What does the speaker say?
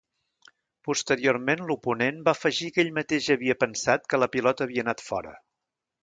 Posteriorment, l'oponent va afegir que ell mateix havia pensat que la pilota havia anat fora.